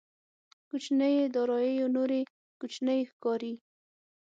کوچنيې داراییو نورې کوچنۍ ښکاري.